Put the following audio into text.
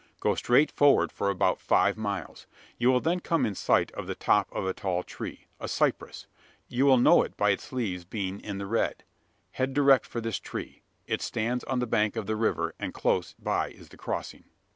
Go straight forward for about five miles. You will then come in sight of the top of a tall tree a cypress. You will know it by its leaves being in the red. Head direct for this tree. It stands on the bank of the river; and close by is the crossing."